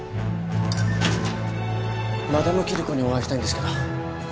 マダムキリコにお会いしたいんですけど。